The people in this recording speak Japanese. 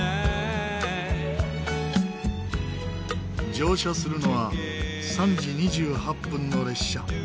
乗車するのは３時２８分の列車。